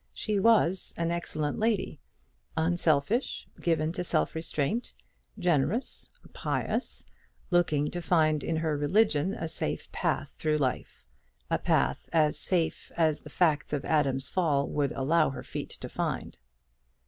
She was an excellent lady unselfish, given to self restraint, generous, pious, looking to find in her religion a safe path through life a path as safe as the facts of Adam's fall would allow her feet to find.